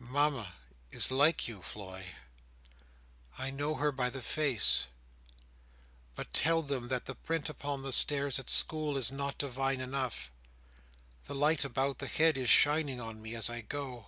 "Mama is like you, Floy. I know her by the face! But tell them that the print upon the stairs at school is not divine enough. The light about the head is shining on me as I go!"